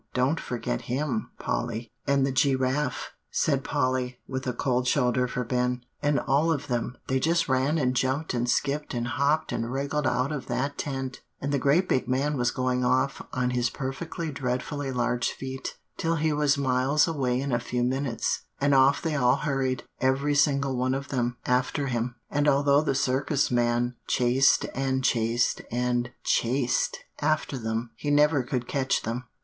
Don't forget him, Polly." "And the gi raffe," said Polly, with a cold shoulder for Ben, "and all of them, they just ran and jumped and skipped and hopped and wriggled out of that tent, and the great big man was going off on his perfectly dreadfully large feet, till he was miles away in a few minutes; and off they all hurried, every single one of them, after him; and although the Circus man chased and chased and chased after them, he never could catch them.